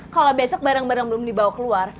kalau besok barang barang belum dibawa keluar